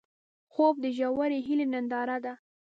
خوب د ژورې هیلې ننداره ده